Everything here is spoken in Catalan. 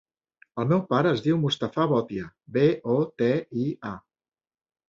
El meu pare es diu Mustafa Botia: be, o, te, i, a.